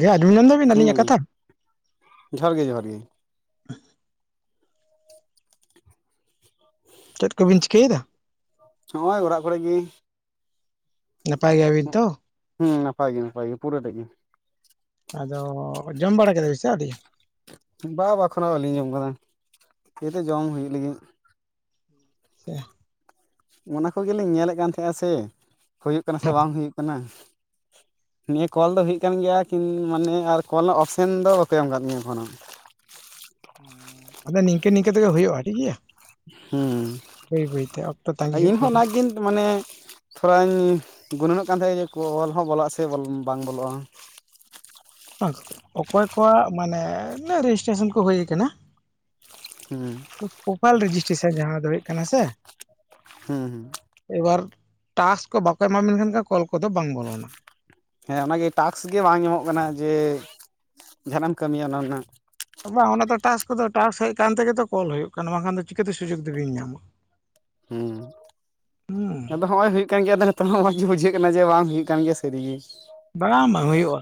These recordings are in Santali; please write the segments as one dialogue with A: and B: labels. A: ᱟᱡᱚᱢ ᱧᱟᱢ ᱫᱟᱵᱤᱱ ᱟᱞᱤᱧᱟᱜ
B: ᱦᱩᱸ
A: ᱠᱟᱛᱷᱟ
B: ᱡᱚᱦᱟᱨ ᱜᱮ ᱡᱚᱦᱟᱨ ᱜᱮ
A: ᱪᱮᱫ ᱠᱚᱵᱤᱱ ᱪᱤᱠᱟᱹᱭᱮᱫᱟ
B: ᱱᱚᱸᱜᱼᱚᱭ ᱚᱲᱟᱜ ᱠᱚᱨᱮ ᱜᱮ
A: ᱱᱟᱯᱟᱭ ᱜᱮᱭᱟᱵᱤᱱ ᱛᱚ
B: ᱦᱩᱸ ᱱᱟᱯᱟᱭ ᱜᱤ ᱱᱟᱯᱟᱭ ᱜᱮ ᱯᱩᱨᱟᱹᱴᱟ ᱜᱮ
A: ᱟᱫᱚ ᱡᱚᱢ ᱵᱟᱲᱟ ᱠᱮᱫᱟ ᱵᱤᱱ ᱥᱮ ᱟᱹᱣᱨᱤ
B: ᱵᱟ ᱵᱟ ᱮᱠᱷᱚᱱᱚ ᱵᱟᱹᱞᱤᱧ ᱡᱚᱢ ᱠᱟᱫᱟ ᱠᱤᱫᱩᱜ ᱡᱚᱢ ᱦᱩᱭᱩᱜ ᱞᱟᱹᱜᱤᱫ
A: [inaudible]
B: ᱚᱱᱟ ᱠᱚᱜᱮᱞᱤᱧ ᱧᱮᱞᱮᱫ ᱠᱟᱱ ᱛᱟᱦᱮᱸᱱᱟ ᱥᱮ ᱦᱩᱭᱩᱜ ᱠᱟᱱᱟ ᱥᱮ ᱵᱟᱝ ᱦᱩᱭᱩᱜ ᱠᱟᱱᱟ
A: [inaudible]
B: ᱱᱤᱭᱟᱹ ᱠᱚᱞ ᱫᱚ ᱦᱩᱭᱩᱜ ᱠᱟᱱ ᱜᱮᱭᱟ ᱠᱤ ᱢᱟᱱᱮ ᱟᱨ ᱠᱚᱞ ᱨᱮᱱᱟᱜ ᱚᱯᱥᱮᱱ ᱫᱚ ᱵᱟᱠᱚ ᱮᱢ ᱟᱠᱟᱫ ᱛᱤᱧᱟᱹ ᱮᱠᱷᱚᱱᱚ
A: ᱟᱫᱚ ᱱᱤᱝᱠᱟᱹ ᱱᱤᱝᱠᱟᱹ ᱛᱮᱜᱮ ᱦᱩᱭᱩᱜᱼᱟ ᱴᱷᱤᱠᱜᱮᱭᱟ
B: ᱦᱩᱸ
A: ᱛᱟᱸᱜᱤ
B: ᱟᱨ
A: ᱦᱩᱭᱩᱜ
B: ᱤᱧᱦᱚᱸ
A: ᱛᱟᱵᱚᱱᱟ
B: ᱚᱱᱟᱜᱤᱧ ᱢᱟᱱᱮ ᱛᱷᱚᱲᱟᱧ ᱜᱩᱱᱟᱹᱱᱚᱜ ᱠᱟᱱ ᱛᱟᱦᱮᱸᱱᱟ ᱡᱮ ᱚᱞ ᱦᱚᱸ ᱵᱚᱞᱚᱜᱼᱟ ᱥᱮ ᱵᱟᱝ ᱵᱚᱞᱚᱜᱼᱟ
A: ᱚᱠᱚᱭ ᱠᱚᱣᱟᱜ ᱢᱟᱱᱮ ᱨᱮᱡᱤᱥᱴᱨᱮᱥᱚᱱ ᱠᱚ ᱦᱩᱭ ᱠᱟᱱᱟ
B: ᱦᱩᱸ
A: ᱯᱨᱳᱯᱷᱟᱤᱞ ᱨᱮᱡᱤᱥᱴᱨᱮᱥᱚᱱ ᱡᱟᱦᱟᱸ ᱫᱚ ᱦᱩᱭᱩᱜ ᱠᱟᱱᱟ ᱥᱮ
B: ᱦᱮᱸ ᱦᱮᱸ
A: ᱮᱵᱟᱨ ᱴᱟᱥᱠ ᱠᱚ ᱵᱟᱠᱚ ᱮᱢᱟᱵᱮᱱ ᱠᱷᱟᱱ ᱠᱚᱞ ᱠᱚᱫᱚ ᱵᱟᱝ ᱵᱚᱞᱚᱱᱟ
B: ᱦᱮᱸ ᱚᱱᱟᱜᱮ ᱴᱟᱠᱟᱥ ᱜᱮ ᱵᱟᱝ ᱧᱟᱢᱚᱜ ᱠᱟᱱᱟ ᱡᱮ ᱡᱟᱦᱟᱱᱟᱜ ᱮᱢ ᱠᱟᱹᱢᱤᱭᱟ ᱚᱱᱟ ᱨᱮᱱᱟᱜ
A: ᱵᱟᱝ ᱚᱱᱟ ᱫᱚ ᱴᱟᱥ ᱠᱚᱫᱚ ᱴᱟᱥ ᱦᱮᱡ ᱠᱟᱱ ᱛᱮᱜᱮ ᱛᱚ ᱠᱚᱞ ᱦᱩᱭᱩᱜ ᱠᱟᱱᱟ ᱵᱟᱝᱠᱷᱟᱱ ᱫᱚ ᱪᱤᱠᱟᱹᱛᱮ ᱥᱩᱡᱳᱜᱽ ᱫᱚᱵᱤᱱ ᱧᱟᱢᱟ
B: ᱦᱩ
A: ᱦᱩᱸ
B: ᱟᱫᱚ ᱦᱚᱸᱜᱼᱚᱭ ᱦᱩᱭᱩᱜ ᱠᱟᱱ ᱜᱮᱭᱟ ᱛᱚ ᱛᱚ ᱢᱚᱡᱽ ᱜᱮ ᱵᱩᱡᱷᱟᱹᱜ ᱠᱟᱱᱟ ᱡᱮ ᱵᱟᱝ ᱦᱩᱭᱩᱜ ᱠᱟᱱ ᱜᱮᱭᱟ ᱥᱟᱹᱨᱤ ᱜᱮ
A: ᱵᱟᱲᱟᱝ ᱵᱟᱝ ᱦᱩᱭᱩᱜᱼᱟ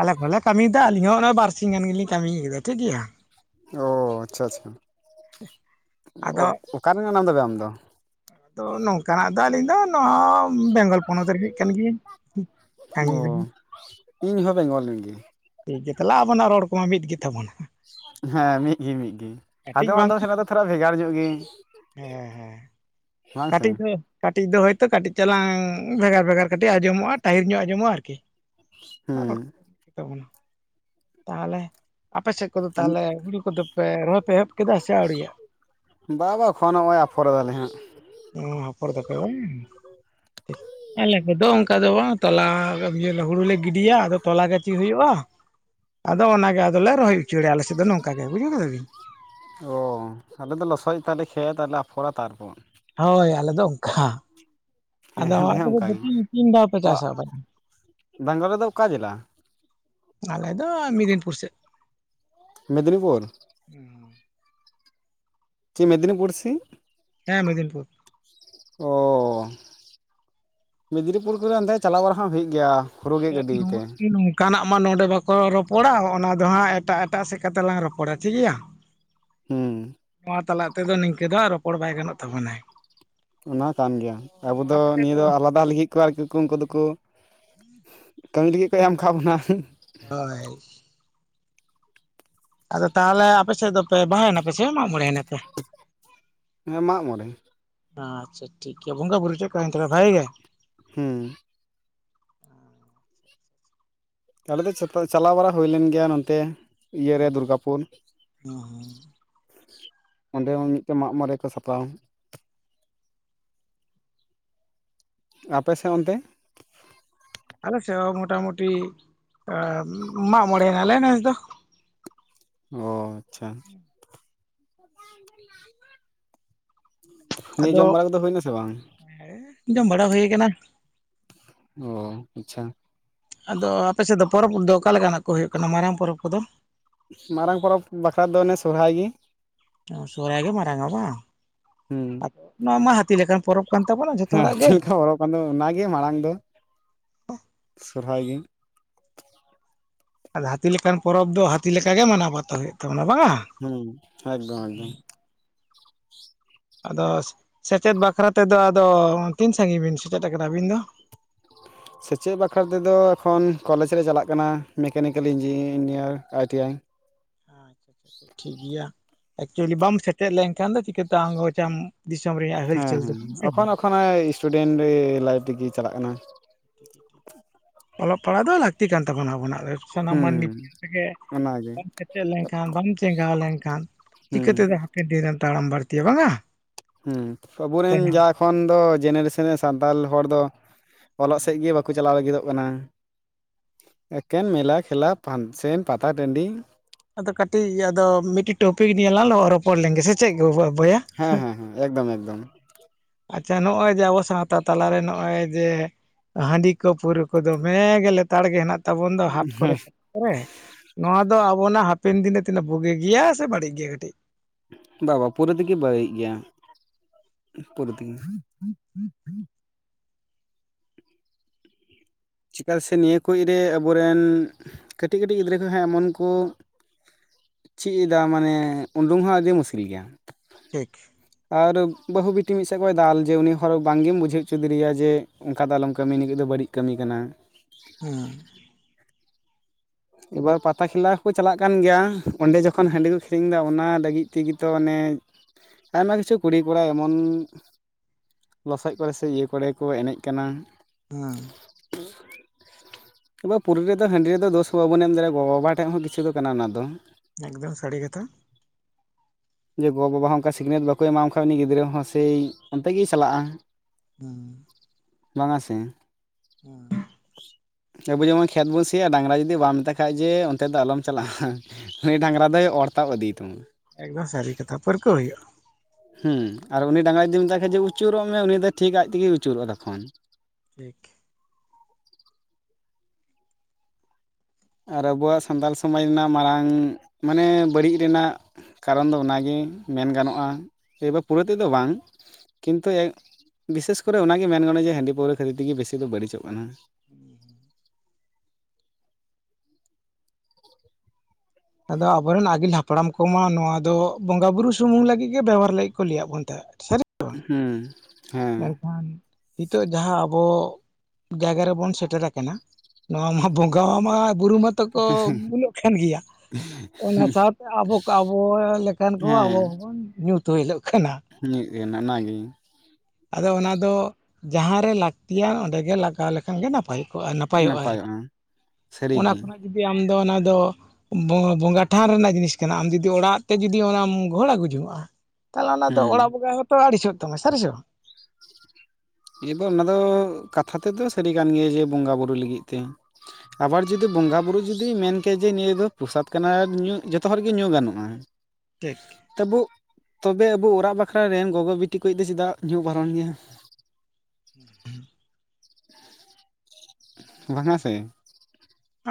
A: ᱟᱞᱮ ᱠᱚᱞᱮ ᱠᱟᱹᱢᱤᱭᱮᱫᱟ ᱟᱞᱤᱧ ᱦᱚ ᱚᱱᱟ ᱵᱟᱨᱥᱤᱧ ᱜᱟᱱ ᱜᱮᱞᱤᱧ ᱠᱟᱹᱢᱤ ᱮᱫᱟ ᱴᱷᱤᱠᱜᱮᱭᱟ᱾
B: ᱚ ᱟᱪᱪᱷᱟ ᱟᱪᱪᱷᱟ ᱚ
A: ᱟᱫᱚ
B: ᱚᱠᱟ ᱨᱮᱱ ᱠᱟᱱᱟᱢ ᱛᱚᱵᱮ ᱟᱢ ᱫᱚ?
A: ᱛᱚ ᱱᱚᱝᱠᱟᱱᱟᱜ ᱫᱚ ᱟᱹᱞᱤᱧ ᱫᱚ ᱱᱚᱶ ᱵᱮᱝᱜᱚᱞ ᱯᱚᱱᱚᱛ ᱨᱤᱱᱤᱡ ᱠᱟᱱ ᱜᱮᱭᱟᱧ
B: ᱚ
A: ᱥᱟᱺᱜᱤᱧ ᱨᱮ
B: ᱤᱧ ᱦᱚᱸ ᱵᱮᱝᱜᱚᱞ ᱨᱮᱱ ᱜᱮ
A: ᱴᱷᱤᱠ ᱜᱮᱭᱟ ᱛᱟᱞᱦᱮ ᱟᱵᱚᱱᱟᱜ ᱨᱚᱲ ᱠᱚᱦᱟ ᱢᱤᱫ ᱜᱮ ᱛᱟᱵᱚᱱᱟ
B: ᱦᱮᱸ ᱢᱤᱫ ᱜᱤ ᱢᱤᱫ ᱜᱤ
A: ᱠᱟᱹᱴᱤᱡ
B: ᱟᱫᱚᱢ
A: ᱵᱟᱝ
B: ᱟᱫᱚᱢ ᱡᱟᱜᱟ ᱫᱚ ᱛᱷᱚᱲᱟ ᱵᱷᱮᱜᱟᱨ ᱧᱚᱜ ᱜᱮ
A: ᱦᱮᱸ ᱦᱮᱸ
B: ᱵᱟᱝ ᱥᱮ
A: ᱠᱟᱹᱴᱤᱡ [unintelligible] ᱠᱟᱹᱴᱤᱡ ᱫᱚ ᱦᱳᱭᱛᱚ ᱠᱟᱹᱴᱤᱡ ᱪᱟᱞᱟᱜ ᱵᱷᱮᱜᱟᱨ ᱵᱷᱮᱜᱟᱨ ᱠᱟᱹᱴᱤᱡ ᱟᱸᱡᱚᱢᱚᱜᱼᱟ ᱴᱟᱦᱤᱨ ᱧᱚᱜ ᱟᱸᱡᱚᱢᱼᱟ ᱟᱨ ᱠᱤ
B: ᱦᱩᱸ
A: [inaudible] ᱛᱟᱦᱚᱹᱞᱮ ᱟᱯᱮ ᱥᱮᱫ ᱠᱚᱫᱚ ᱛᱟᱦᱚᱞᱮ ᱦᱩᱲᱩ ᱠᱚᱫᱚ ᱯᱮ ᱨᱚᱦᱚᱭ ᱯᱮ ᱮᱦᱚᱵ ᱠᱮᱫᱟ ᱥᱮ ᱟᱹᱣᱨᱤᱭᱟᱜ
B: ᱵᱟ ᱵᱟ ᱯᱷᱚᱱ ᱟᱢᱟᱭ ᱦᱟᱜ ᱟᱯᱷᱚᱨ ᱫᱟᱞᱮ ᱦᱟᱜ᱾
A: ᱚ ᱟᱯᱷᱚᱨ ᱫᱟᱯᱮ ᱵᱟᱝ ᱟᱞᱮ ᱠᱚᱫᱚ ᱚᱱᱠᱟ ᱫᱚ ᱵᱟᱝ ᱛᱚᱞᱟ [inaudible] ᱦᱩᱲᱩ ᱞᱮ ᱜᱤᱰᱤᱭᱟ ᱟᱫᱚ ᱛᱚᱞᱟ ᱜᱟᱹᱪᱷᱤ ᱦᱩᱭᱩᱜᱼᱟ᱾ ᱟᱫᱚ ᱚᱱᱟ ᱜᱮ ᱟ ᱵᱤᱱ
B: ᱚ ᱟᱞᱮ ᱫᱚ ᱞᱚᱥᱚᱫ ᱮᱫᱟᱞᱮ ᱠᱷᱮᱛ [inaudible] ᱯᱷᱚᱲᱟ ᱛᱟᱨᱯᱚᱨ
A: ᱦᱳᱭ ᱟᱞᱮ ᱫᱚ ᱚᱝᱠᱟ
B: ᱦᱮᱸ
A: ᱟᱫᱚ
B: ᱟᱞᱮ ᱦᱚᱸ
A: ᱟᱯᱮ
B: ᱚᱱᱠᱟ ᱜᱮ
A: [inaudible] ᱛᱤᱱ ᱫᱷᱟᱶ ᱯᱮ
B: ᱚ
A: ᱪᱟᱥ [inaudible]
B: ᱵᱮᱝᱜᱚᱞ ᱨᱮᱫᱚ ᱚᱠᱟ ᱡᱮᱹᱞᱟ?
A: ᱟᱞᱮ ᱫᱚ ᱢᱤᱫᱫᱤᱱᱯᱩᱨ ᱥᱮᱫ
B: ᱢᱮᱫᱱᱤᱯᱩᱨ ᱪᱮ ᱢᱮᱫᱱᱤᱯᱩᱨ ᱥᱤ
A: ᱦᱮᱸ ᱢᱮᱫᱫᱤᱱᱯᱩᱨ
B: ᱚ ᱢᱮᱫᱽᱱᱤᱯᱩᱨ ᱠᱚᱨᱮ ᱚᱱᱛᱮ ᱪᱟᱞᱟᱣ ᱵᱟᱲᱟ ᱦᱚ ᱦᱩᱭᱩᱜ ᱜᱮᱭᱟ᱾ ᱦᱩᱲᱩ ᱜᱮᱫ ᱜᱟᱹᱰᱤ ᱛᱮ
A: [inaudible] ᱱᱚᱝᱠᱟᱱᱟᱜ ᱢᱟ ᱱᱚᱰᱮ ᱵᱟᱠᱚ ᱨᱚᱯᱚᱲᱟ ᱚᱱᱟ ᱫᱚ ᱦᱟᱸᱜ ᱮᱴᱟᱜ ᱮᱴᱟᱜ ᱥᱮᱫ ᱠᱟᱛᱮᱜ ᱞᱟᱝ ᱨᱚᱯᱚᱲᱟ ᱴᱷᱤᱠ ᱜᱮᱭᱟ᱾
B: ᱦᱩ
A: [inaudible] ᱛᱟᱞᱟ ᱛᱮᱫᱚ ᱱᱤᱝᱠᱟᱹ ᱫᱚ ᱨᱚᱯᱚᱲ ᱵᱟᱭ ᱜᱟᱱᱚᱜ ᱛᱟᱵᱚᱱᱟ
B: ᱚᱱᱟ ᱠᱟᱱ ᱜᱮᱭᱟ ᱟᱵᱚ ᱫᱚ
A: ᱟᱯᱮ ᱥᱮᱫ
B: ᱱᱤᱭᱟᱹ ᱫᱚ ᱟᱞᱟᱫᱟ ᱞᱟᱹᱜᱤᱫ ᱠᱚ ᱟᱨᱠᱤ ᱩᱱᱠᱩ ᱫᱚᱠᱚ ᱠᱟᱹᱢᱤ ᱞᱟᱹᱜᱤᱫ ᱠᱚ ᱮᱢ ᱠᱟᱫ ᱵᱚᱱᱟ᱾
A: ᱦᱳᱭ ᱟᱫᱚ ᱛᱟᱦᱚᱞᱮ ᱟᱯᱮ ᱥᱮᱫ ᱫᱚᱯᱮ ᱵᱟᱦᱟᱭ ᱮᱱᱟ ᱯᱮ ᱥᱮ ᱢᱟᱜᱽᱢᱚᱬᱮ ᱮᱱᱟ ᱯᱮ
B: ᱦᱮᱸ ᱢᱟᱜ ᱢᱚᱬᱮ
A: ᱟᱪᱪᱷᱟ ᱴᱷᱤᱠ ᱜᱮᱭᱟ ᱵᱚᱸᱜᱟ ᱵᱩᱨᱩ ᱪᱮᱫ ᱠᱟ ᱦᱩᱭ ᱮᱱ ᱛᱟᱯᱮᱭᱟ ᱵᱷᱟᱜᱮ ᱜᱮ
B: ᱦᱩ [inaudible] ᱫᱚ ᱪᱟᱞᱟᱣ ᱵᱟᱲᱟ ᱦᱩᱭ ᱞᱮᱱ ᱜᱮᱭᱟ ᱱᱚᱱᱛᱮ ᱤᱭᱟ ᱨᱮ
A: ᱦᱩᱸ
B: ᱫᱩᱨᱹᱜᱟᱯᱩᱨ
A: ᱦᱩᱸ
B: ᱚᱸᱰᱮ ᱦᱚᱸ ᱢᱤᱫᱴᱮᱱ ᱢᱟᱜ ᱢᱚᱬᱮ ᱠᱚ ᱥᱟᱯᱲᱟᱣᱟ ᱟᱯᱮ ᱥᱮᱫ ᱚᱱᱛᱮ?
A: ᱟᱞᱮᱥᱮᱫ ᱦᱚ ᱢᱚᱴᱟᱢᱩᱴᱤ ᱮ ᱢᱟᱜ ᱢᱚᱬᱮ ᱱᱟᱞᱮ ᱱᱮᱥ ᱫᱚ᱾
B: ᱚ ᱟᱪᱪᱷᱟ ᱱᱤᱭᱟᱹ ᱡᱚᱢ
A: ᱟᱫᱚ
B: ᱵᱟᱲᱟ ᱠᱚᱫᱚ ᱦᱩᱭ ᱱᱟᱥᱮ ᱵᱟᱝ?
A: ᱡᱚᱢ ᱵᱟᱲᱟ ᱦᱩᱭ ᱠᱟᱱᱟ
B: ᱚ ᱟᱪᱪᱷᱟ
A: ᱟᱫᱚ ᱟᱯᱮ ᱥᱮᱫ ᱫᱚ ᱯᱚᱨᱚᱵᱽ ᱫᱚ ᱚᱠᱟ ᱞᱮᱠᱟᱱᱟᱜ ᱠᱚ ᱦᱩᱭᱩᱜ ᱠᱟᱱᱟ ᱢᱟᱨᱟᱝ ᱯᱚᱨᱚᱵᱽ ᱠᱚᱫᱚ
B: ᱢᱟᱨᱟᱝ ᱯᱚᱨᱚᱵᱽ ᱵᱟᱠᱷᱨᱟ ᱫᱚ ᱚᱱᱮ ᱥᱚᱦᱟᱹᱨᱟᱭ ᱜᱮ
A: ᱥᱚᱦᱨᱟᱭ ᱜᱮ ᱢᱟᱨᱟᱝᱟ ᱵᱟᱝ
B: ᱦᱮᱸ
A: ᱟ ᱱᱚᱣᱟ ᱢᱟ ᱦᱟᱹᱛᱤ ᱞᱮᱠᱟᱱ ᱯᱚᱨᱚᱵᱽ ᱠᱟᱱ ᱛᱟᱵᱚᱱᱟ ᱡᱷᱚᱛᱚ
B: ᱦᱮᱸ
A: ᱦᱚᱲᱟᱜ
B: ᱪᱮᱫ
A: ᱜᱮ
B: ᱞᱮᱠᱟ ᱦᱚᱨᱚᱵᱽ ᱟᱸᱫᱚ ᱚᱱᱟᱜᱮ ᱢᱟᱲᱟᱝ ᱫᱚ ᱥᱚᱨᱦᱟᱭ ᱜᱮ
A: ᱟᱫᱚ ᱦᱟᱹᱛᱤ ᱞᱮᱠᱟᱱ ᱯᱚᱨᱚᱵᱽ ᱫᱚ ᱦᱟᱹᱛᱤ ᱞᱮᱠᱟ ᱜᱮ ᱢᱟᱱᱟᱣ ᱵᱟᱛᱟᱣ ᱦᱩᱭᱩᱜ ᱛᱟᱵᱚᱱᱟ ᱵᱟᱝᱟ
B: ᱦᱮᱸ ᱮᱠᱫᱚᱢ ᱮᱠᱫᱚᱢ
A: ᱟᱫᱚ ᱥᱮᱪᱮᱫ ᱵᱟᱠᱷᱨᱟ ᱛᱮᱫᱚ ᱟᱫᱚ ᱛᱤᱱ ᱥᱟᱜᱤᱧ ᱵᱤᱱ ᱥᱮᱪᱮᱫ ᱠᱟᱱᱟ ᱟᱹᱵᱤᱱ ᱫᱚ ᱻ [inaudible]
B: ᱥᱮᱪᱮᱫ ᱵᱟᱠᱷᱨᱟ ᱛᱮᱫᱚ ᱮᱠᱷᱚᱱ ᱠᱚᱞᱮᱡᱽ ᱨᱮ ᱪᱟᱞᱟᱜ ᱠᱟᱱᱟ mechanical engineer I T I
A: ᱻ [inaudible] ᱟᱪᱪᱷᱟ ᱴᱷᱤᱠ ᱜᱮᱭᱟ ᱮᱠᱪᱩᱭᱮᱞᱤ ᱵᱟᱢ ᱥᱮᱴᱮᱨ ᱞᱮᱱᱠᱷᱟᱱ ᱫᱚ ᱪᱤᱠᱟᱹᱛᱮ ᱟᱜᱚᱪ ᱟᱢ
B: ᱦᱮᱸ ᱦᱮᱸ ᱮᱠᱷᱚᱱ ᱮᱠᱷᱚᱱᱮ ᱥᱴᱩᱰᱮᱱᱴ ᱞᱟᱭᱤᱯᱷ ᱨᱮᱜᱮ ᱪᱟᱞᱟᱜ ᱠᱟᱱᱟ
A: ᱚᱞᱚᱜ ᱯᱟᱲᱦᱟᱜ ᱫᱚ ᱞᱟᱹᱠᱛᱤ ᱠᱟᱱ ᱛᱟᱵᱚᱱᱟ ᱟᱵᱚᱱᱟᱜ ᱥᱟᱱᱟᱢ
B: ᱦᱩᱸ
A: ᱢᱟᱱᱢᱤ ᱛᱮᱜᱮ
B: ᱚᱱᱟᱜᱮ
A: ᱵᱟᱢ ᱥᱮᱴᱮᱫ ᱞᱮᱱᱠᱷᱟᱱ ᱵᱟᱢ ᱪᱮᱸᱜᱟᱣ ᱞᱮᱱᱠᱷᱟᱱ
B: ᱦᱩᱸ
A: ᱪᱤᱠᱟᱹ ᱛᱮᱫᱚ ᱦᱟᱯᱮᱱ ᱫᱤᱱ ᱨᱮᱱ ᱛᱟᱲᱟᱢ ᱵᱟᱹᱲᱛᱤᱭᱟ ᱵᱟᱝᱟ
B: ᱦᱮᱸ ᱟᱵᱚ ᱨᱮᱱ
A: ᱛᱟᱭᱱᱚᱢ
B: ᱡᱟ ᱠᱷᱚᱱ ᱫᱚ ᱡᱮᱱᱟᱨᱮᱥᱚᱱ ᱨᱮ ᱥᱟᱱᱛᱟᱲ ᱦᱚᱲ ᱫᱚ ᱚᱞ ᱥᱮᱫ ᱜᱮ ᱵᱟᱠᱚ ᱪᱟᱞᱟᱜᱼᱟ ᱪᱟᱞᱟᱣ ᱞᱟᱹᱜᱤᱫᱚᱜ ᱠᱟᱱᱟ ᱮᱠᱮᱱ ᱢᱮᱞᱟ ᱠᱷᱮᱞᱟ ᱥᱟᱱᱥᱮᱱ ᱯᱟᱛᱟ ᱴᱟᱺᱰᱤ
A: ᱟᱫᱚ ᱠᱟᱹᱴᱤᱡ ᱟᱫᱚ ᱢᱤᱫᱴᱤᱡ ᱴᱚᱯᱤᱠ ᱧᱮᱞᱟ ᱨᱚᱯᱚᱲ ᱞᱮᱱ ᱜᱮ ᱪᱮᱫ ᱜᱮ
B: ᱦᱮᱸ ᱦᱮᱸ ᱦᱮᱸ ᱮᱠᱫᱚᱢ ᱮᱠᱫᱚᱢ
A: ᱟᱪᱪᱷᱟ ᱱᱚᱜᱼᱚᱭ ᱡᱮ ᱟᱵᱚ ᱥᱟᱶᱛᱟ ᱛᱟᱞᱟᱨᱮ ᱱᱚᱜᱼᱚᱭ ᱡᱮ ᱦᱟᱺᱰᱤ ᱠᱚ ᱯᱟᱹᱣᱟᱹ ᱠᱚᱫᱚ ᱫᱚᱢᱮ ᱜᱮ ᱞᱮᱛᱟᱲ ᱜᱮ ᱦᱮᱱᱟᱜ ᱛᱟᱵᱚᱱ ᱫᱚ ᱦᱟᱴ ᱠᱚᱨᱮ ᱠᱚᱨᱮ ᱯᱟᱛᱟ ᱠᱚᱨᱮ ᱫᱚᱣᱟ ᱫᱚ ᱟᱵᱚᱱᱟᱜ ᱦᱟᱯᱮᱱ ᱫᱤᱱᱮ ᱛᱤᱱᱟᱹᱜ ᱵᱩᱜᱤ ᱜᱮᱭᱟ ᱥᱮ ᱵᱟᱹᱲᱤᱡ ᱜᱮᱭᱟ ᱠᱟᱹᱴᱤᱡ
B: ᱵᱟᱵᱟ ᱯᱩᱨᱟᱹ ᱛᱮᱜᱮ ᱵᱟᱹᱲᱤᱡ ᱜᱮᱭᱟ [unintelligible] ᱪᱮᱫᱟᱜ ᱥᱮ ᱱᱤᱭᱟᱹ ᱠᱚᱨᱮ ᱟᱵᱚᱨ ᱨᱮᱱ ᱠᱟᱹᱴᱤᱡ ᱠᱟᱹᱴᱤᱡ ᱜᱤᱫᱽᱨᱟᱹ ᱠᱚᱦᱚᱸ ᱮᱢᱚᱱ ᱠᱚ ᱪᱮᱫ ᱮᱫᱟ ᱢᱟᱱᱮ ᱩᱰᱩᱝ ᱦᱚᱸ ᱟᱹᱰᱤ ᱢᱩᱥᱠᱤᱞ ᱜᱮᱭᱟ
A: ᱴᱷᱤᱠ
B: ᱟᱨ ᱵᱟᱹᱦᱩ ᱵᱤᱴᱤ ᱢᱤᱫ ᱥᱮᱫ ᱠᱷᱚᱱᱭ ᱫᱟᱞ ᱡᱮ ᱩᱱᱤ ᱦᱚᱲ ᱵᱟᱝ ᱮᱢ ᱵᱩᱡᱷᱟᱹᱣ ᱦᱚᱪᱚ ᱫᱮᱭᱟ ᱡᱮ ᱚᱱᱠᱟ ᱫᱚ ᱟᱞᱚᱢ ᱠᱟᱹᱢᱤ ᱱᱟ ᱠᱚ ᱫᱚ ᱵᱟᱹᱲᱤᱡ ᱠᱟᱹᱢᱤ ᱠᱟᱱᱟ ᱠᱟᱱᱟ
A: ᱦᱩᱸ
B: ᱮᱵᱟᱨ ᱯᱟᱛᱟ ᱠᱷᱮᱞᱟ ᱦᱚᱸᱠᱚ ᱪᱟᱞᱟᱜ ᱠᱟᱱ ᱜᱮᱭᱟ ᱚᱸᱰᱮ ᱡᱚᱠᱷᱚᱱ ᱦᱟᱺᱰᱤ ᱠᱚ ᱟᱹᱠᱷᱤᱨᱤᱧ ᱮᱫᱟ ᱚᱱᱟ ᱞᱟᱹᱜᱤᱫ ᱛᱮᱜᱮ ᱛᱚ ᱟᱭᱢᱟ ᱠᱤᱪᱷᱩ ᱠᱩᱲᱤᱼ ᱠᱚᱲᱟ ᱮᱢᱚᱱ ᱞᱚᱥᱚᱫ ᱠᱚᱨᱮ ᱥᱮ ᱤᱭᱟᱹ ᱠᱚᱨᱮ ᱠᱚ ᱮᱱᱮᱡ ᱠᱟᱱᱟ
A: ᱦᱮᱸ
B: ᱟᱨ ᱯᱩᱣᱨᱟᱹ ᱨᱮᱫᱚ ᱦᱟᱺᱰᱤ ᱨᱮᱫᱚ ᱫᱚᱥ ᱛ ᱵᱟᱵᱚᱱ ᱮᱢ ᱫᱟᱲᱮᱭᱟᱜᱼᱟ ᱜᱚᱼᱵᱟᱵᱟ ᱴᱷᱮᱱ ᱫᱚ ᱠᱤᱪᱷᱩ ᱠᱟᱱᱟ ᱚᱱᱟ ᱫᱚ
A: ᱮᱠᱫᱚᱢ ᱥᱟᱹᱨᱤ ᱠᱟᱛᱷᱟ
B: ᱡᱮ ᱜᱚᱼᱵᱟᱵᱟ ᱦᱚᱸ ᱚᱱᱠᱟ ᱥᱤᱠᱷᱱᱟᱹᱛ ᱵᱟᱠᱚ ᱮᱢᱟ ᱠᱚ ᱠᱷᱟᱡ ᱩᱱᱤ ᱜᱤᱫᱽᱨᱟᱹ ᱦᱚᱸ ᱥᱮ ᱦᱟᱱᱛᱮ ᱜᱮᱭ ᱪᱟᱞᱟᱜᱼᱟ
A: ᱦᱮᱸ
B: ᱵᱟᱝ ᱟ ᱥᱮ
A: ᱦᱮᱸ
B: ᱟᱵᱚ ᱡᱮᱢᱚᱱ ᱠᱷᱮᱛ ᱵᱚᱱ ᱥᱤᱭᱟ ᱰᱟᱝᱨᱟ ᱡᱩᱫᱤ ᱵᱟᱢ ᱢᱮᱛᱟᱜ ᱠᱷᱟᱱ ᱡᱮ ᱚᱱᱛᱮ ᱫᱚ ᱟᱞᱚᱢ ᱪᱟᱞᱟᱜᱼᱟ ᱩᱱᱤᱭ ᱰᱟᱝᱨᱟ ᱫᱚᱭ ᱚᱨ ᱛᱟᱵ ᱤᱫᱤ
A: ᱮᱠᱫᱚᱢ ᱥᱟᱹᱨᱤ ᱠᱟᱛᱷᱟ ᱯᱟᱹᱨᱠᱟᱹᱣ ᱦᱩᱭᱩᱜᱼᱟ
B: ᱦᱮᱸ ᱟᱨ ᱩᱱᱤ ᱰᱟᱝᱨᱟ ᱡᱩᱫᱤ ᱢᱮᱛᱟᱭ ᱠᱷᱟᱱ ᱡᱮ ᱟᱹᱪᱩᱨᱚᱜ ᱢᱮ ᱩᱱᱤ ᱫᱚ ᱴᱷᱤᱠ ᱟᱡ ᱛᱮᱜᱮ ᱟᱹᱪᱩᱨᱚᱜᱼᱟ ᱛᱚᱠᱷᱚᱱ
A: ᱴᱷᱤᱠ
B: ᱻ [inaudible] ᱟᱨ ᱟᱵᱚᱣᱟᱜ ᱥᱟᱱᱛᱟᱞ ᱥᱚᱢᱟᱡᱽ ᱨᱮᱱᱟᱜ ᱢᱟᱨᱟᱝ ᱢᱟᱱᱮ ᱵᱟᱹᱲᱤᱡ ᱨᱮᱱᱟᱜ ᱠᱟᱨᱚᱱ ᱫᱚ ᱚᱱᱟᱜᱮ ᱢᱮᱱ ᱜᱟᱱᱚᱜᱼᱟ ᱮ ᱯᱩᱨᱟᱹ ᱛᱮᱫᱚ ᱵᱟᱝ ᱠᱤᱱᱛᱩ ᱵᱤᱥᱮᱥ ᱠᱚᱨᱮ ᱚᱱᱟᱜᱮ ᱢᱮᱱ ᱜᱟᱱᱚᱜᱼᱟ ᱡᱮ ᱦᱟᱺᱰᱤ ᱯᱟᱹᱣᱨᱟᱹ ᱠᱷᱟᱹᱛᱤᱨ ᱛᱮᱜᱮ ᱵᱮᱥᱤ ᱫᱚ ᱵᱟᱹᱲᱤᱡᱚᱜ ᱠᱟᱱᱟ
A: ᱦᱩᱸ ᱦᱩᱸ ᱟᱫᱚ ᱟᱵᱚᱨᱮᱱ ᱟᱹᱜᱤᱞ ᱦᱟᱯᱲᱟᱢ ᱠᱚᱢᱟ ᱱᱚᱣᱟ ᱫᱚ ᱵᱚᱸᱜᱟ ᱵᱩᱨᱩ ᱥᱩᱢᱩᱝ ᱞᱟᱹᱜᱤᱫ ᱜᱮ ᱵᱮᱵᱚᱦᱟᱨ ᱞᱟᱹᱜᱤᱫ ᱠᱚ ᱞᱟᱹᱭᱟ ᱵᱚᱱ ᱛᱟᱦᱮᱸᱫ ᱥᱟᱹᱨᱤ
B: ᱦᱩᱸ ᱦᱮᱸ
A: ᱢᱮᱱᱠᱷᱟᱱ ᱱᱤᱛᱚᱜ ᱡᱟᱦᱟᱸ ᱟᱵᱚ ᱡᱟᱭᱜᱟ ᱨᱮᱵᱚᱱ ᱥᱮᱴᱮᱨ ᱟᱠᱟᱱᱟ ᱱᱚᱣᱟ ᱢᱟ ᱵᱚᱸᱜᱟ ᱢᱟ ᱵᱩᱨᱩ ᱢᱟᱛᱚ ᱠᱚ ᱵᱚᱞᱚᱜ ᱠᱟᱱ ᱜᱮᱭᱟ ᱚᱱᱟ ᱥᱟᱶᱛᱮ ᱟᱵᱚ ᱟᱵᱚ ᱞᱮᱠᱟᱱ ᱠᱚ ᱟᱵᱚ
B: ᱦᱮᱸ
A: ᱦᱚᱸᱵᱚᱱ ᱧᱩᱛ ᱛᱩᱭᱞᱚᱜ ᱠᱟᱱᱟ
B: ᱢᱤᱫ ᱚᱱᱟᱜᱮ
A: ᱟᱫᱚ ᱚᱱᱟ ᱫᱚ ᱡᱟᱦᱟᱸᱨᱮ ᱞᱟᱹᱠᱛᱤᱭᱟ ᱚᱸᱰᱮ ᱜᱮ ᱞᱟᱜᱟᱣ ᱞᱮᱠᱷᱟᱱ ᱜᱮ ᱱᱟᱯᱟᱭ ᱡᱚᱜᱼᱟ ᱱᱟᱯᱟᱭᱚᱜᱼᱟ ᱟᱨᱠᱤ ᱚᱱᱟ
B: ᱥᱟᱹᱨᱤᱜᱮ
A: ᱠᱷᱚᱱᱟᱜ ᱡᱩᱫᱤ ᱟᱢ ᱫᱚ ᱚᱱᱟ ᱫᱚ ᱵᱚᱸᱜᱟ ᱴᱷᱟᱱ ᱨᱮᱱᱟᱜ ᱡᱤᱱᱤᱥ ᱠᱟᱱᱟ ᱟᱢ ᱡᱩᱫᱤ ᱚᱲᱟᱜ ᱛᱮ ᱡᱚᱫᱤᱢ ᱚᱱᱟᱢ ᱜᱚᱦᱚᱲ ᱟᱹᱜᱩ ᱡᱚᱦᱚᱜᱼᱟ ᱛᱟᱦᱚᱞᱮ ᱚᱱᱟ ᱫᱚ
B: ᱦᱩᱸ
A: ᱚᱲᱟᱜ ᱵᱚᱸᱜᱟ ᱦᱚᱸᱛᱚ ᱟᱹᱲᱤᱥᱚᱜ ᱛᱟᱢᱟ ᱥᱟᱹᱨᱤ ᱵᱟᱝ
B: ᱮᱵᱟᱨ ᱚᱱᱟ ᱫᱚ ᱠᱟᱛᱷᱟ ᱛᱮᱫᱚ ᱥᱟᱹᱨᱤ ᱠᱟᱱ ᱜᱮᱭᱟ ᱡᱮ ᱵᱚᱸᱜᱟ ᱵᱩᱨᱩ ᱞᱟᱹᱜᱤᱫ ᱛᱮ ᱟᱵᱟᱨ ᱡᱩᱫᱤ ᱵᱚᱸᱜᱟ ᱵᱩᱨᱩ ᱡᱩᱫᱤ ᱢᱮᱱ ᱠᱮᱭᱟ ᱡᱮ ᱱᱤᱭᱟᱹ ᱫᱚ ᱯᱨᱚᱥᱟᱫ ᱠᱟᱱᱟ ᱧᱩ ᱡᱚᱛᱚ ᱦᱚᱲ ᱜᱮ ᱧᱩ ᱜᱟᱱᱚᱜᱼᱟ
A: ᱴᱷᱤᱠ
B: ᱛᱚᱵᱩ ᱛᱚᱵᱮ ᱟᱵᱚ ᱚᱲᱟᱜ ᱵᱟᱠᱷᱨᱟ ᱨᱮᱱ ᱜᱚᱜᱚ ᱵᱤᱴᱤ ᱠᱚ ᱫᱚ ᱪᱮᱫᱟᱜ ᱧᱩ ᱵᱟᱨᱚᱱ ᱜᱮᱭᱟ
A: [unintelligible]
B: ᱵᱟᱝᱟ ᱥᱮ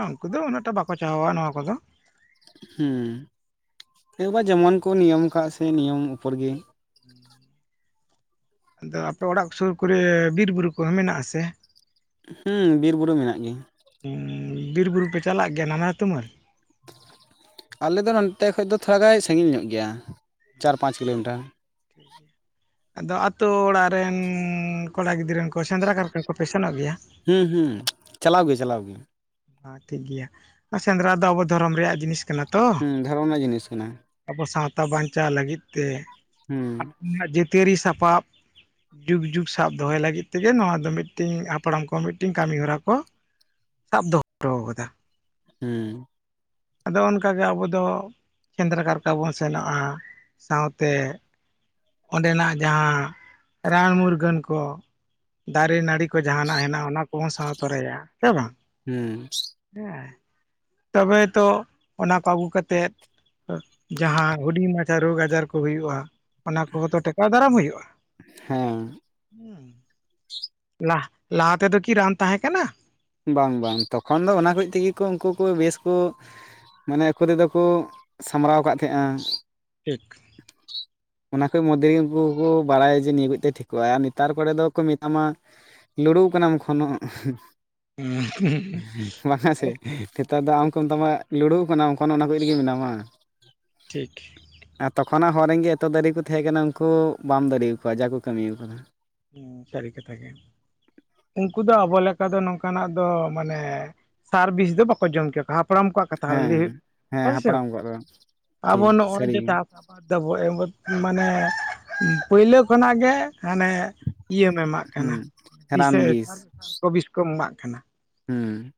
A: ᱩᱱᱠᱩ ᱫᱚ ᱩᱱᱟᱹᱜᱴᱟᱜ ᱵᱟᱠᱚ ᱪᱟᱦᱟᱣᱟ ᱱᱚᱣᱟ ᱠᱚᱫᱚ
B: ᱦᱮᱸ ᱮᱵᱟᱨ ᱡᱮᱢᱚᱱ ᱠᱚ ᱱᱤᱭᱚᱢ ᱟᱠᱟᱫ ᱥᱮ ᱱᱤᱭᱚᱢ ᱩᱯᱚᱨ ᱜᱮ
A: ᱟᱫᱚ ᱟᱯᱮ ᱚᱲᱟᱜ ᱥᱩᱨ ᱠᱚᱨᱮ ᱵᱤᱨᱼᱵᱩᱨᱩ ᱠᱚᱦᱚᱸ ᱢᱮᱱᱟᱜ ᱟᱥᱮ
B: ᱦᱩᱸ ᱵᱤᱨᱼᱵᱩᱨᱩ ᱢᱮᱱᱟᱜ ᱜᱮᱭᱟ
A: ᱵᱤᱨ ᱵᱩᱨᱩ ᱯᱮ ᱪᱟᱞᱟᱜ ᱜᱮᱭᱟ ᱱᱟᱱᱟ ᱛᱩᱢᱟᱹᱞ
B: ᱟᱞᱮ ᱫᱚ ᱱᱚᱱᱚᱛ ᱠᱷᱚᱡ ᱫᱚ ᱛᱷᱚᱲᱟ ᱜᱟᱱ ᱥᱟᱺᱜᱤᱧ ᱧᱚᱜ ᱜᱮᱭᱟ ᱪᱟᱨ ᱯᱟᱸᱪ ᱠᱤᱞᱳᱢᱤᱴᱟᱨ
A: ᱴᱷᱤᱠ ᱜᱮᱭᱟ ᱟᱫᱚ ᱟᱛᱳ ᱚᱲᱟᱜ ᱨᱮᱱ ᱠᱚᱲᱟ ᱜᱤᱫᱽᱨᱟᱹ ᱠᱚ ᱥᱮᱸᱫᱽᱨᱟ ᱠᱟᱨᱠᱟ ᱠᱚᱯᱮ ᱥᱮᱱᱚᱜ ᱜᱮᱭᱟ?
B: ᱦᱩᱸ ᱦᱩᱸ ᱪᱟᱞᱟᱣ ᱜᱮ ᱪᱟᱞᱟᱣ ᱜᱮ᱾
A: ᱟ ᱴᱷᱤᱠ ᱜᱮᱭᱟ ᱟᱨ ᱥᱮᱸᱫᱽᱨᱟ ᱫᱚ ᱟᱵᱚ ᱫᱷᱚᱨᱚᱢ ᱨᱮᱭᱟᱜ ᱡᱤᱱᱤᱥ ᱠᱟᱱᱟ ᱛᱚ
B: ᱦᱩᱸ ᱫᱷᱚᱨᱚᱢ ᱨᱮᱱᱟᱜ ᱡᱤᱱᱤᱥ ᱠᱟᱱᱟ
A: ᱟᱵᱚ ᱥᱟᱶ ᱛᱟ ᱵᱟᱧᱪᱟᱣ ᱞᱟᱹᱜᱤᱫ ᱛᱮ
B: ᱦᱩᱸ
A: ᱟᱯᱱᱟ ᱡᱟᱹᱛᱤᱭᱟᱹᱨᱤ ᱥᱟᱯᱟᱵ ᱡᱩᱜᱽ ᱡᱩᱜᱽ ᱥᱟᱵ ᱫᱚᱦᱚᱭ ᱞᱟᱹᱜᱤᱫ ᱛᱮᱜᱮ ᱱᱚᱣᱟ ᱫᱚ ᱢᱤᱜᱴᱤᱝ ᱦᱟᱯᱲᱟᱢ ᱠᱚ ᱢᱤᱴᱤᱝ ᱠᱟᱹᱢᱤᱦᱚᱨᱟ ᱠᱚ ᱥᱟᱵ ᱫᱚᱦᱚ ᱚᱴᱚᱣ ᱠᱟᱫᱟ᱾
B: ᱦᱩᱸ
A: ᱟᱫᱚ ᱚᱱᱠᱟᱜᱮ ᱟᱵᱚ ᱫᱚ ᱥᱮᱸᱫᱽᱨᱟ ᱠᱟᱨᱠᱟ ᱵᱚᱱ ᱥᱮᱱᱚᱜᱼᱟ ᱥᱟᱶᱛᱮ ᱚᱸᱰᱮᱱᱟᱜ ᱡᱟᱦᱟᱸ ᱨᱟᱱ ᱢᱩᱨᱜᱟᱹᱱ ᱠᱚ ᱫᱟᱨᱮ ᱱᱟᱹᱲᱤ ᱠᱚ ᱡᱟᱦᱟᱸᱟᱱᱟᱜ ᱦᱮᱱᱟᱜᱼᱟ ᱚᱱᱟ ᱠᱚᱦᱚᱸ ᱥᱟᱶ ᱛᱚᱨᱟᱭᱟ᱾ ᱥᱮ ᱵᱟᱝ
B: ᱦᱩᱸ
A: ᱦᱮᱸ ᱛᱚᱵᱮ ᱛᱚ ᱚᱱᱟ ᱠᱚ ᱟᱹᱜᱩ ᱠᱟᱛᱮᱫ ᱡᱟᱦᱟᱸ ᱦᱩᱰᱤᱧ ᱢᱟᱪᱷᱟ ᱨᱳᱜᱽ ᱟᱡᱟᱨ ᱠᱚ ᱦᱩᱭᱩᱜᱼᱟ᱾ ᱚᱱᱟ ᱠᱚ ᱦᱚᱸ ᱛᱚ ᱴᱮᱠᱟᱣ ᱫᱟᱨᱟᱢ ᱦᱩᱭᱩᱜᱼᱟ᱾
B: ᱦᱮᱸ
A: ᱦᱩᱸ ᱞᱟᱦ-ᱞᱟᱦᱟ ᱛᱮᱫᱚ ᱠᱤ ᱨᱟᱱ ᱛᱟᱦᱮᱸ ᱠᱟᱱᱟ?
B: ᱵᱟᱝ ᱵᱟᱝ ᱛᱚᱠᱷᱚᱱ ᱫᱚ ᱚᱱᱟ ᱠᱚᱡ ᱛᱮᱜᱮ ᱠᱚ ᱩᱝᱠᱩ ᱠᱩ ᱵᱮᱥ ᱠᱚ ᱢᱟᱱᱮ ᱟᱠᱚ ᱛᱮᱫᱚ ᱠᱚ ᱥᱟᱢᱵᱲᱟᱣ ᱠᱟᱜ ᱛᱟᱦᱮᱸᱜᱼᱟ᱾
A: ᱴᱷᱤᱠ
B: ᱚᱱᱟ ᱠᱚ ᱢᱚᱫᱷᱮ ᱜᱮ ᱩᱝᱠᱩ ᱠᱚ ᱵᱟᱲᱟᱭᱟ ᱡᱮ ᱱᱤᱭᱟᱹ ᱠᱚᱡ ᱛᱮ ᱴᱷᱤᱠᱚᱜᱼᱟ᱾ ᱟᱨ ᱱᱮᱛᱟᱨ ᱠᱚᱨᱮ ᱫᱚᱠᱚ ᱢᱮᱛᱟᱢᱟ, ᱞᱳ ᱲᱩᱣ ᱠᱟᱱᱟᱢ ᱠᱷᱚᱱᱚᱜ ᱵᱟᱝᱟ ᱥᱮ᱾ ᱛᱟᱨ ᱫᱚ ᱟᱢ ᱠᱚ ᱢᱮᱛᱟᱢᱟ ᱞᱩᱲᱩᱣ ᱠᱟᱱᱟᱢ ᱚᱠᱷᱚᱱᱚ ᱚᱱᱟ ᱠᱚᱡ ᱨᱮᱜᱮ ᱢᱮᱱᱟᱢᱟ᱾
A: ᱴᱷᱤᱠ
B: ᱠᱷᱚᱱᱟᱜ ᱦᱚᱨ ᱨᱮᱱᱜᱮ ᱮᱛᱚ ᱫᱟᱨᱮ ᱠᱚ ᱛᱟᱦᱮᱸ ᱠᱟᱱᱟ ᱩᱝᱠᱩ ᱵᱟᱢ ᱫᱟᱨᱮᱭ ᱟᱠᱚᱣᱟ ᱡᱟ ᱠᱚ ᱠᱟᱹᱢᱤ ᱟᱠᱟᱫᱟ᱾
A: ᱦᱮᱸ ᱥᱟᱹᱨᱤ ᱠᱟᱛᱷᱟ ᱜᱮ ᱩᱱᱠᱩ ᱫᱚ ᱟᱵᱚ ᱞᱮᱠᱟ ᱫᱚ ᱱᱚᱝᱠᱟᱱᱟᱜ ᱫᱚ ᱢᱟᱱᱮ ᱥᱟᱨᱵᱷᱤᱥ ᱫᱚ ᱵᱟᱠᱚ ᱡᱚᱢ ᱪᱚ ᱠᱚᱣᱟ ᱦᱟᱯ ᱦᱟᱯᱲᱟᱢ ᱠᱚᱣᱟᱜ ᱠᱟᱛᱷᱟ ᱦᱚᱸ ᱞᱟᱹᱭ
B: ᱦᱮᱸ ᱦᱮᱸ
A: ᱦᱩᱭ ᱥᱮ
B: ᱦᱟᱯᱲᱟᱢ ᱠᱚᱣᱟᱜ ᱫᱚ
A: ᱟᱵᱚ
B: ᱴᱷᱤᱠ
A: ᱱᱚᱜᱼᱚᱭ ᱡᱮ
B: ᱥᱟᱹᱨᱤᱜᱮ
A: ᱪᱟᱥ ᱟᱵᱟᱫ ᱫᱟᱵᱚ ᱮᱢ ᱢᱟᱱᱮ ᱯᱳᱭᱞᱟᱹ ᱠᱷᱚᱱᱟᱜ ᱜᱮ ᱦᱟᱱᱮ ᱤᱭᱟᱹᱢ ᱮᱢᱟᱜ ᱠᱟᱱᱟ
B: ᱦᱩᱸ ᱨᱟᱱ
A: ᱥᱟᱨ
B: ᱵᱤᱥ
A: ᱠᱚ ᱵᱤᱥ ᱠᱚᱢ ᱮᱢᱟᱜ ᱠᱟᱱᱟ
B: ᱦᱩᱸ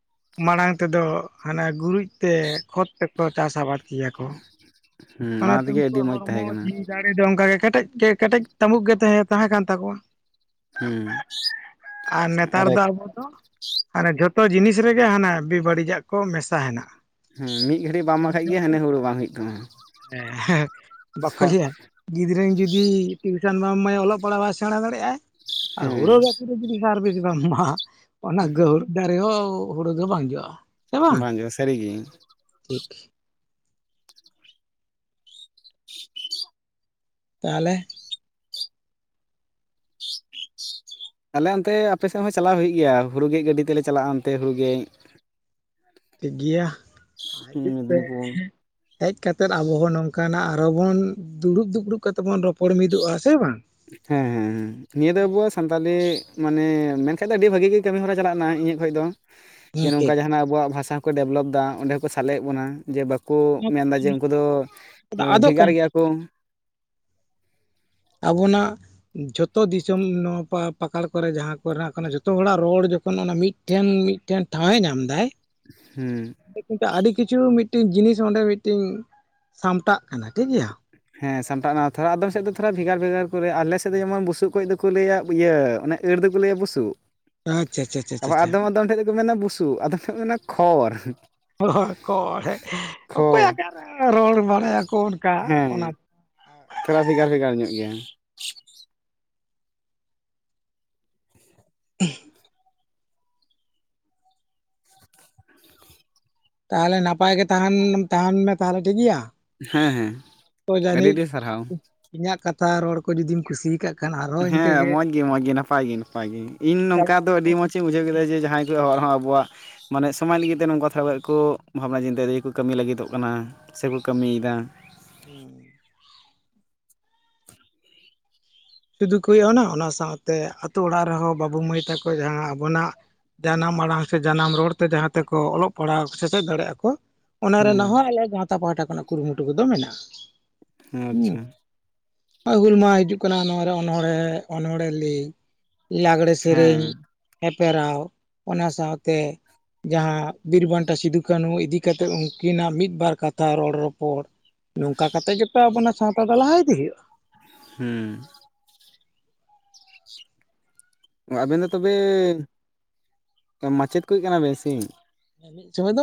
A: ᱢᱟᱲᱟᱝ ᱛᱮᱫᱚ ᱦᱟᱱᱮ ᱜᱩᱨᱤᱡ ᱛᱮ ᱠᱷᱚᱛ ᱛᱮᱠᱚ ᱪᱟᱥ ᱟᱵᱟᱫ ᱜᱮᱭᱟ ᱠᱚ
B: ᱦᱩᱸ ᱚᱱᱟ
A: ᱚᱱᱟᱛᱮ
B: ᱛᱮᱜᱮ ᱟᱹᱰᱤ
A: ᱩᱱᱠᱩᱣᱟᱜ
B: ᱢᱚᱸᱡᱽ
A: ᱦᱚᱲᱢᱚ
B: ᱛᱟᱦᱮᱸ ᱠᱟᱱᱟ
A: ᱡᱤᱣᱤ ᱫᱟᱲᱮ ᱫᱚ ᱚᱱᱠᱟᱜᱮ ᱠᱮᱴᱮᱡ ᱠᱮ ᱠᱮᱴᱮᱡ ᱛᱟᱢᱵᱩᱠ ᱜᱮ ᱛᱟᱦᱮᱸ ᱛᱟᱦᱮᱸ ᱠᱟᱱ ᱛᱟᱠᱚᱣᱟ
B: ᱦᱩᱸ
A: ᱟᱨ ᱱᱮᱛᱟᱨ ᱫᱚ ᱟᱵᱚ ᱫᱚ ᱦᱟᱱᱮ ᱡᱷᱟᱹᱯ ᱚᱛᱚ ᱡᱤᱱᱤᱥ ᱨᱮᱜᱮ ᱦᱟᱱᱟ ᱵᱮ ᱵᱟᱹᱲᱤᱡᱟᱜ ᱠᱚ ᱢᱮᱥᱟ ᱦᱮᱱᱟᱜᱼᱟ
B: ᱦᱮᱸ ᱢᱤᱫ ᱜᱷᱟᱹᱲᱤᱡ ᱵᱟᱢ ᱮᱢᱟᱜ
A: ᱡᱚᱢ
B: ᱠᱷᱟᱡ ᱜᱮ
A: ᱡᱚᱢ ᱛᱮ
B: ᱦᱟᱱᱮ ᱦᱩᱲᱩ ᱵᱟᱝ ᱦᱳᱭᱳᱜ ᱛᱟᱢᱟ
A: ᱦᱮᱸ ᱵᱟᱠᱚ ᱞᱟᱹᱭ-ᱟ ᱜᱤᱫᱽᱨᱟᱹ ᱡᱩᱫᱤ ᱡᱩᱫᱤ ᱴᱤᱭᱩᱥᱚᱱ ᱵᱟᱢ ᱮᱢᱟᱭᱟ ᱚᱞᱚᱜ ᱯᱟᱲᱦᱟᱣ ᱵᱟᱭ ᱥᱮᱬᱟ ᱫᱟᱲᱮᱭᱟᱜ ᱟᱭ ᱟᱨ
B: ᱦᱮᱸ
A: ᱦᱳᱲᱳ ᱜᱟᱹᱪᱷᱤ ᱨᱮ ᱡᱩᱫᱤ ᱥᱟᱨᱜᱮ ᱡᱩᱫᱤ ᱵᱟᱢ ᱮᱢᱟᱜ-ᱟ ᱚᱱᱟ ᱜᱟᱹᱦᱩᱲ ᱫᱟᱨᱮ ᱦᱚᱸ ᱦᱳᱲᱳ ᱫᱚ ᱵᱟᱝ ᱡᱚᱜᱼᱟ
B: ᱵᱟᱝ ᱜᱮ ᱥᱟᱹᱨᱤᱜᱮ
A: ᱴᱷᱤᱠ ᱛᱟᱦᱚᱞᱮ
B: ᱟᱞᱮ ᱚᱱᱛᱮ ᱟᱯᱮ ᱥᱮᱫ ᱦᱚᱸ ᱪᱟᱞᱟᱣ ᱦᱩᱭᱩᱜ ᱜᱮᱭᱟ ᱦᱩᱲᱩ ᱜᱮᱡ ᱜᱟᱹᱰᱤ ᱛᱮᱞᱮ ᱪᱟᱞᱟᱜᱼᱟ ᱚᱱᱛᱮ ᱦᱩᱲᱩ ᱜᱮᱡ
A: ᱴᱷᱤᱠ ᱜᱮᱭᱟ ᱦᱤᱡᱩᱜ ᱯᱮ ᱦᱮᱡ ᱠᱟᱛᱮᱫ ᱟᱵᱚ ᱦᱚᱸ ᱱᱚᱝᱠᱟᱱᱟᱜ ᱟᱨᱚ ᱵᱚᱱ ᱫᱩᱲᱩᱵ ᱫᱩᱯᱲᱩᱵ ᱠᱟᱛᱮ ᱵᱚᱱ ᱨᱚᱯᱚᱲ ᱢᱤᱫᱚᱜᱼᱟ ᱥᱮ ᱵᱟᱝ
B: ᱦᱮᱸ ᱦᱮᱸ ᱱᱤᱭᱟᱹ ᱫᱚ ᱟᱵᱚᱣᱟᱜ ᱥᱟᱱᱛᱟᱞᱤ ᱢᱟᱱᱮ ᱢᱮᱱᱠᱷᱟᱡ ᱫᱚ ᱟᱹᱰᱤ ᱵᱷᱟᱹᱜᱤ ᱜᱮ ᱠᱟᱹᱢᱤ ᱦᱚᱨᱟ ᱪᱟᱞᱟᱜᱱᱟ ᱤᱧᱟᱹᱜ ᱠᱷᱚᱱ ᱫᱚ ᱡᱮ
A: ᱦᱮᱸ ᱴᱷᱤᱠ
B: ᱱᱚᱝᱠᱟ ᱡᱟᱦᱱᱟᱜ ᱟᱵᱚᱣᱟᱜ ᱵᱷᱟᱥᱟ ᱠᱚ ᱰᱮᱵᱷᱞᱚᱯ ᱫᱟ ᱚᱸᱰᱮ ᱦᱚᱸ ᱠᱚ ᱥᱟᱞᱮᱭᱮᱫ ᱵᱚᱱᱟ ᱡᱮ ᱵᱟᱹ ᱠᱚ ᱢᱮᱱᱫᱟ ᱡᱮ ᱩᱱᱠᱩ ᱫᱚ
A: ᱟᱫᱚᱜ ᱠᱟᱱ
B: ᱵᱷᱮᱜᱟᱨ ᱜᱮᱭᱟ ᱠᱚ
A: ᱟᱵᱚᱱᱟᱜ ᱡᱷᱚᱛᱚ ᱫᱤᱥᱚᱢ ᱱᱚᱣᱟ ᱯᱟ ᱯᱟᱠᱟᱲ ᱠᱚᱨᱮ ᱡᱟᱦᱟᱸ ᱠᱚᱨᱮᱱᱟᱜ ᱠᱟᱱᱟ ᱡᱷᱚᱛᱚ ᱦᱚᱲᱟᱜ ᱨᱚᱲ ᱡᱚᱠᱷᱚᱱ ᱚᱱᱟ ᱢᱤᱫ ᱴᱷᱮᱱ ᱢᱤᱫ ᱴᱷᱮᱱ ᱴᱷᱟᱶᱮ ᱧᱟᱢᱫᱟᱭ
B: ᱦᱩᱸ
A: ᱟᱹᱰᱤ ᱠᱤᱪᱷᱩ ᱢᱤᱫᱴᱤᱝ ᱡᱤᱱᱤᱥ ᱚᱸᱰᱮ ᱢᱤᱫᱴᱤᱝ ᱥᱟᱢᱴᱟᱜ ᱠᱟᱱᱟ ᱴᱷᱤᱠ ᱜᱮᱭᱟ
B: ᱦᱮᱸ ᱥᱟᱢᱴᱟᱜ ᱢᱟ ᱛᱷᱚᱲᱟ ᱟᱫᱚᱢ ᱥᱮᱫ ᱫᱚ ᱛᱷᱚᱲᱟ ᱵᱷᱮᱜᱟᱨ ᱵᱷᱮᱜᱟᱨ ᱠᱚᱨᱮ ᱟᱞᱮ ᱥᱮᱫ ᱫᱚ ᱡᱮᱢᱚᱱ ᱵᱩᱥᱩᱜ ᱠᱚᱡ ᱫᱚᱠᱚ ᱞᱟᱹᱭ- ᱟ ᱤᱭᱟᱹ ᱚᱱᱮ ᱟᱹᱲ ᱞᱟᱹᱭ ᱟ ᱵᱩᱥᱩᱜ
A: ᱟᱪᱪᱷᱟ ᱪᱷᱟ ᱪᱷᱟ ᱪᱷᱟ
B: ᱟᱵᱟᱨ
A: ᱪᱷᱟ
B: ᱟᱫᱚᱢ ᱟᱫᱚᱢ ᱴᱷᱮᱱ ᱫᱚᱠᱚ ᱢᱮᱱᱟ ᱵᱩᱥᱩᱜ ᱟᱫᱚᱢ ᱴᱷᱮᱱ ᱠᱚ ᱢᱮᱱᱟ ᱠᱷᱚᱲ
A: ᱦᱚᱲ ᱦᱚ ᱠᱚᱲ ᱮ
B: ᱠᱷᱚ
A: ᱚᱠᱚᱭ ᱚᱠᱟ ᱨᱮ ᱨᱚᱲ ᱢᱟ
B: ᱦᱮᱸ ᱛᱷᱚᱲᱟ ᱵᱷᱮᱜᱟᱨ ᱵᱷᱮᱜᱟᱨ ᱧᱚᱜ ᱜᱮᱭᱟ
A: ᱮᱦ ᱛᱟᱦᱚᱞᱮ ᱱᱟᱯᱟᱭ ᱜᱮ ᱛᱟᱦᱮᱱ ᱛᱟᱦᱮᱱ ᱢᱮ ᱛᱟᱦᱚᱞᱮ ᱴᱷᱤᱠᱜᱮᱭᱟ
B: ᱦᱮᱸ ᱦᱮᱸ ᱟᱹᱰᱤ
A: ᱡᱟᱹᱱᱤᱡ
B: ᱟᱹᱰᱤ ᱥᱟᱨᱦᱟᱣ
A: ᱤᱧᱟᱹᱜ ᱠᱟᱛᱷᱟ ᱨᱚᱲ ᱠᱚ ᱡᱩᱫᱤᱢ ᱠᱩᱥᱤ ᱠᱟᱜ ᱠᱷᱟᱡ
B: ᱦᱮᱸ ᱢᱚᱡᱽᱜᱮ ᱢᱚᱡᱽᱜᱮ ᱱᱟᱯᱟᱭ ᱜᱮ ᱱᱟᱯᱟᱭ ᱜᱮ ᱤᱧ ᱱᱚᱝᱠᱟ
A: ᱪᱟᱞᱟᱜ
B: ᱫᱚ ᱟᱹᱰᱤ
A: ᱨᱚᱯᱚᱲ ᱞᱟᱹᱜᱤᱫ᱾
B: ᱢᱚᱡᱽᱤᱧ ᱵᱩᱡᱷᱟᱹᱣ ᱠᱮᱫᱟ ᱡᱮ ᱡᱟᱦᱟᱸᱭ ᱠᱚ ᱦᱚᱲ ᱦᱚᱸ ᱟᱵ ᱟᱵᱚᱣᱟᱜ ᱢᱟᱱᱮ ᱥᱚᱢᱟᱡᱽ ᱞᱟᱹᱜᱤᱫ ᱛᱮ ᱱᱚᱝᱠᱟ ᱛᱷᱚᱲᱠᱚᱡ ᱠᱚ ᱵᱷᱟᱵᱽᱱᱟ ᱪᱤᱱᱛᱟᱹᱭ ᱫᱟ ᱡᱮ ᱠᱚ ᱠᱟᱹᱢᱤ ᱞᱟᱹᱜᱤᱫᱚᱜ ᱠᱟᱱᱟ ᱥᱮᱠᱚ ᱠᱟᱹᱢᱤ ᱠᱟᱹᱢᱤᱫᱟ
A: ᱦᱮᱸ ᱥᱩᱫᱩ ᱠᱚ ᱚᱱᱟ ᱚᱱᱟ ᱥᱟᱶᱛᱮ ᱟᱹᱛᱩ ᱚᱲᱟᱜ ᱨᱮᱦᱚᱸ ᱵᱟᱹᱵᱩ ᱢᱟᱹᱭ ᱛᱟᱠᱚ ᱡᱟᱦᱟᱸ ᱟᱵᱚᱱᱟᱜ ᱡᱟᱱᱟᱢ ᱟᱲᱟᱝ ᱥᱮ ᱡᱟᱱᱟᱢ ᱨᱚᱲᱛᱮ ᱡᱟᱦᱟᱸ ᱛᱮᱠᱚ ᱚᱞᱚᱜ ᱯᱟᱲᱦᱟᱣ ᱥᱮᱪᱮᱫ ᱫᱟᱲᱮᱭᱟᱜ ᱟᱠᱚ ᱚᱱᱟ ᱨᱮᱱᱟᱜ
B: ᱦᱩᱸ
A: ᱦᱚᱸ ᱟᱞᱮ ᱜᱟᱶᱛᱟ ᱯᱟᱦᱴᱟ ᱠᱷᱚᱱᱟᱜ ᱠᱩᱨᱩᱢᱩᱴᱩ ᱠᱚᱫᱚ ᱢᱮᱱᱟᱜᱼᱟ
B: ᱟᱪᱪᱷᱟ
A: ᱱᱚᱜ-ᱚᱭ ᱦᱩᱞ ᱢᱟᱦᱟ ᱦᱤᱡᱩᱜ ᱠᱟᱱᱟ ᱱᱚᱣᱟ ᱨᱮ ᱚᱱᱚᱲᱦᱮᱸ ᱚᱱᱚᱲᱦᱮᱸ ᱞᱮᱹᱭ ᱞᱟᱜᱽᱲᱮ
B: ᱦᱮᱸ
A: ᱥᱮᱨᱮᱧ ᱦᱮᱯᱨᱟᱣ ᱚᱱᱟ ᱥᱟᱶᱛᱮ ᱡᱟᱦᱟᱸ ᱵᱤᱨᱵᱟᱱᱴᱟ ᱥᱤᱫᱩᱠᱟᱹᱱᱩ ᱤᱫᱤ ᱠᱟᱛᱮᱫ ᱩᱱᱠᱤᱱᱟᱜ ᱢᱤᱫᱵᱟᱨ ᱠᱟᱛᱷᱟ ᱨᱚᱲᱼᱨᱚᱯᱚᱲ ᱱᱚᱝᱠᱟ ᱠᱟᱛᱮᱫ ᱜᱮᱛᱚ ᱟᱵᱚᱱᱟᱜ ᱥᱟᱶᱛᱟ ᱫᱚ ᱞᱟᱦᱟ ᱤᱫᱤ ᱦᱩᱭᱩᱜᱼᱟ
B: ᱦᱩᱸ ᱟᱵᱮᱱ ᱫᱚ ᱛᱚᱵᱮ ᱢᱟᱪᱮᱫ ᱠᱚ ᱠᱟᱱᱟ ᱵᱮᱱ ᱥᱮ
A: ᱢᱤᱫ ᱥᱳᱢᱳᱭ ᱫᱚᱢ